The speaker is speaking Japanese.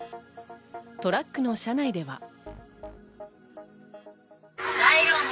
トラックの車内では。